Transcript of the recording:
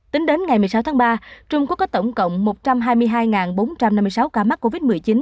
tính đến ngày một mươi sáu tháng ba trung quốc có tổng cộng một trăm hai mươi hai ca mắc covid một mươi chín